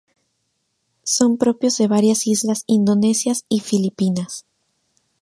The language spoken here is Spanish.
Son propios de varias islas indonesias y filipinas.